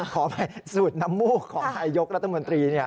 ขออภัยสูตรน้ำมูกของนายยกรัฐมนตรี